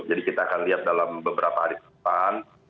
jadi kita akan lihat dalam beberapa hari depan